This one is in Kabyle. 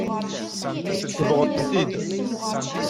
Sebɣen-tent-id.